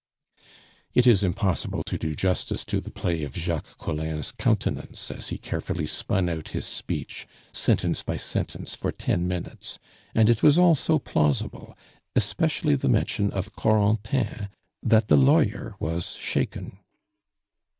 It is impossible to do justice to the play of Jacques Collin's countenance as he carefully spun out his speech, sentence by sentence, for ten minutes; and it was all so plausible, especially the mention of Corentin, that the lawyer was shaken.